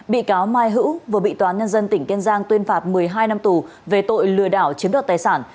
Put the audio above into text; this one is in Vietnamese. bị cáo mai hữu vừa bị toán nhân dân tỉnh kiên giang tuyên phạt một mươi hai năm tù về tội lừa đảo chiếm đoạt tài sản